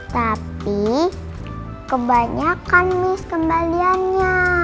tapi kebanyakan miss kembaliannya